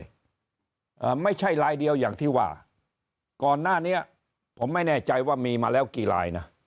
อ่าไม่ใช่ลายเดียวอย่างที่ว่าก่อนหน้านี้ผมไม่แน่ใจว่ามีมาแล้วกี่ลายนะ